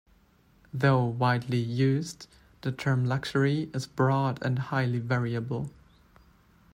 Though widely used, the term luxury is broad and highly variable.